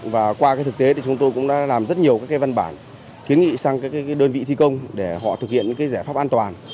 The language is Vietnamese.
và qua cái thực tế thì chúng tôi cũng đã làm rất nhiều các cái văn bản kiến nghị sang các đơn vị thi công để họ thực hiện những cái giải pháp an toàn